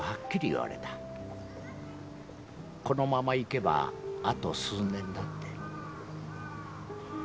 このままいけばあと数年だって。